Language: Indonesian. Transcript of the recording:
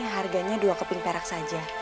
harganya dua keping perak saja